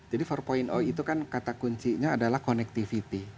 jadi empat itu kan kata kuncinya adalah connectivity